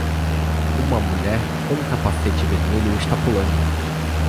Uma mulher com um capacete vermelho está pulando.